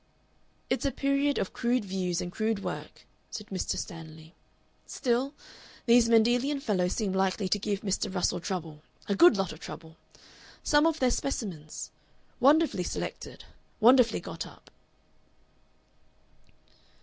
"It's a period of crude views and crude work," said Mr. Stanley. "Still, these Mendelian fellows seem likely to give Mr. Russell trouble, a good lot of trouble. Some of their specimens wonderfully selected, wonderfully got up."